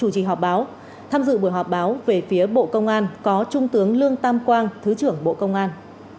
tham dự buổi họp báo về phía bộ công an có trung tướng lương tam quang thứ trưởng bộ công an